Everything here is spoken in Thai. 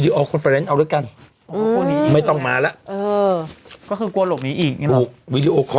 เอาแล้วกันอืมไม่ต้องมาแล้วเออก็คือกลัวหลบหนีอีกถูก